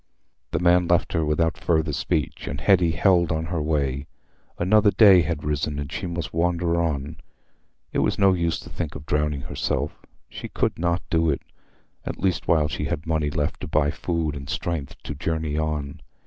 The man left her without further speech, and Hetty held on her way. Another day had risen, and she must wander on. It was no use to think of drowning herself—she could not do it, at least while she had money left to buy food and strength to journey on.